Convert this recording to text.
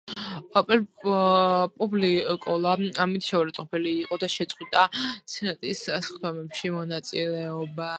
პუბლიკოლა ამით შეურაცხყოფილი იყო და შეწყვიტა სენატის სხდომებში მონაწილეობა.